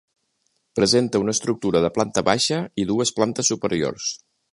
Presenta una estructura de planta baixa i dues plantes superiors.